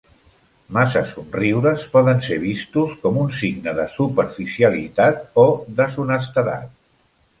Massa somriures poden ser vistos com un signe de superficialitat o deshonestedat.